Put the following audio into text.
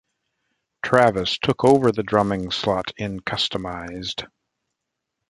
Travis took over the drumming slot in Kustomized.